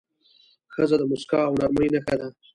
ښځه د موسکا او نرمۍ نښه ده.